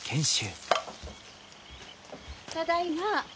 ただいま。